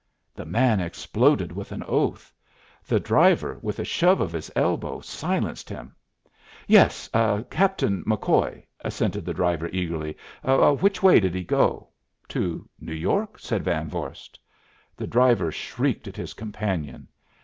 The man exploded with an oath. The driver, with a shove of his elbow, silenced him. "Yes, Captain McCoy," assented the driver eagerly. "Which way did he go?" "To New York," said Van Vorst. The driver shrieked at his companion.